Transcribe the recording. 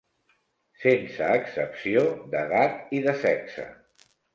Sense excepció d'edat i de sexe.